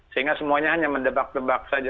sehingga semuanya hanya mendebak debak saja seperti itu